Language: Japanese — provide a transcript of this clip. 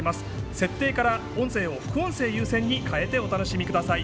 設定から音声を副音声優先に変えてお楽しみください。